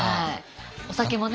お酒もね。